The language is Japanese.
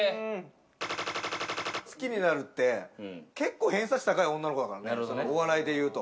○○好きになるって、結構偏差値高い女の子だからね、お笑いでいうと。